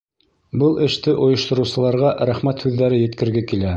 Был эште ойоштороусыларға рәхмәт һүҙҙәре еткерге килә.